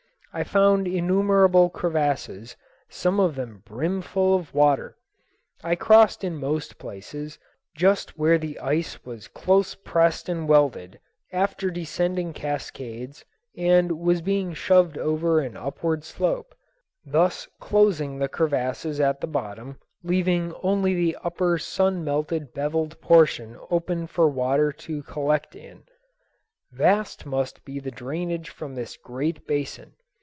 I found innumerable crevasses, some of them brimful of water. I crossed in most places just where the ice was close pressed and welded after descending cascades and was being shoved over an upward slope, thus closing the crevasses at the bottom, leaving only the upper sun melted beveled portion open for water to collect in. Vast must be the drainage from this great basin.